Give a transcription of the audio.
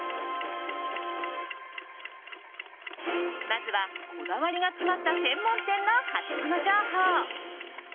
まずは、こだわりが詰まった専門店のハツモノ情報。